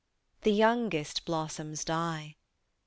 The youngest blossoms die.